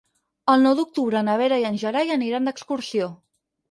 El nou d'octubre na Vera i en Gerai aniran d'excursió.